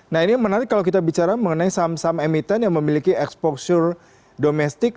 nah ini yang menarik kalau kita bicara mengenai saham saham emiten yang memiliki exposure domestik